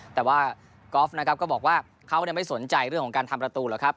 แต่ว่ากอล์ฟนะครับก็บอกว่าเขาไม่สนใจเรื่องของการทำประตูหรอกครับ